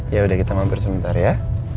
ya udah kita ngobrol sebentar ya